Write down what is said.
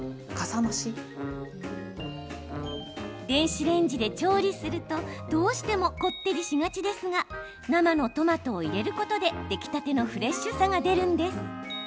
電子レンジで調理するとどうしてもこってりしがちですが生のトマトを入れることで出来たてのフレッシュさが出るんです。